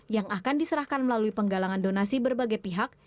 yang akan diserahkan melalui penggalangan donasi berbagai pihak